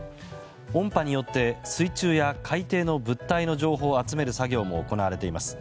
音波によって水中や海底の物体の情報を集める作業も行われています。